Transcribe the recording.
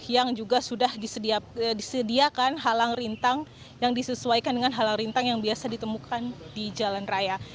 yang juga sudah disediakan halang rintang yang disesuaikan dengan halang rintang yang biasa ditemukan di jalan raya